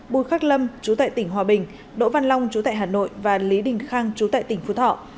bùi khắc lâm chú tại tỉnh hòa bình đỗ văn long chú tại hà nội và lý đình khang chú tại tỉnh phú thọ